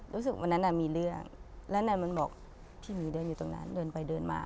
วันนั้นมีเรื่องแล้วนายมันบอกพี่หมีเดินอยู่ตรงนั้นเดินไปเดินมา